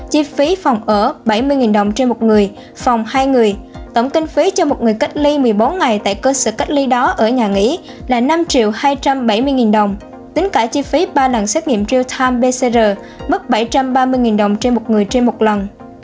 chi phí phòng ở bảy mươi đồng trên một người phòng hai người tổng kinh phí cho một người cách ly một mươi bốn ngày tại cơ sở cách ly đó ở nhà nghỉ là năm hai trăm bảy mươi đồng tính cả chi phí ba lần xét nghiệm real time pcr mức bảy trăm ba mươi đồng trên một người trên một lần